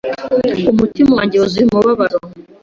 Umutima wanjye wuzuye umubabaro